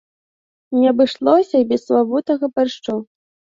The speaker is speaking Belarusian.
Не абышлося і без славутага баршчу.